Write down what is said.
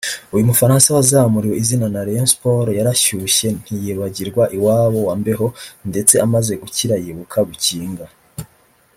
uyu Mufaransa wazamuriwe izina na Rayon Sports yarashyushye ntiyibagirwa iwabo wa mbeho ndetse amaze gukira yibuka gukinga